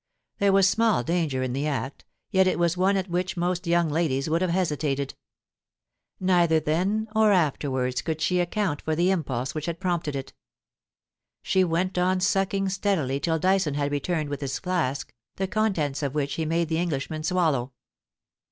There was small danger in the act, yet it was one at which most young ladies would have hesitated. Neither then or afterwards could she account for the impulse which had prompted it She went on sucking steadily till Dyson had returned with his flask, the contents of which he made the Englishman swallow.